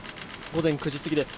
午前９時過ぎです。